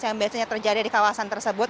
yang biasanya terjadi di kawasan tersebut